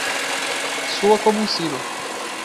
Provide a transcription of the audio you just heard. Soa como um sino.